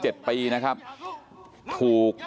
โหลายกาก